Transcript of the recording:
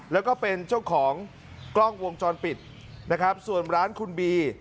แล้วก็เป็นเจ้าของกล้องวงจรปิดนะครับส่วนร้านคุณบี